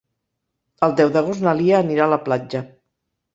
El deu d'agost na Lia anirà a la platja.